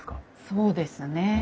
そうですね。